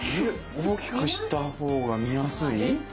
大きくしたほうが見やすい？